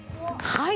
はい！